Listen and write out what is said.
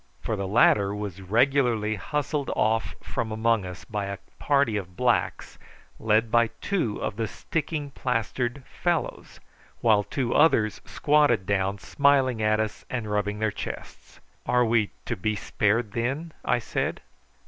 For the latter was regularly hustled off from among us by a party of blacks, led by two of the sticking plastered fellows, while two others squatted down smiling at us and rubbing their chests. "Are we to be spared, then?" I said.